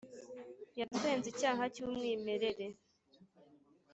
yatwenze icyaha cy'umwimerere.